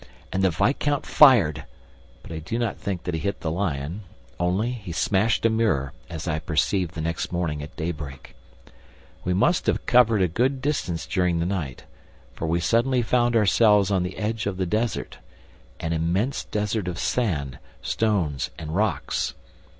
And the viscount fired, but I do not think that he hit the lion; only, he smashed a mirror, as I perceived the next morning, at daybreak. We must have covered a good distance during the night, for we suddenly found ourselves on the edge of the desert, an immense desert of sand, stones and rocks.